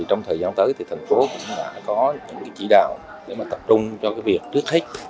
trong thời gian tới thành phố cũng đã có những chỉ đạo để tập trung cho việc trước khách